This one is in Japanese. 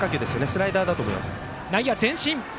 スライダーだったと思います。